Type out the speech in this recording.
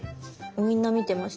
みんな見てました。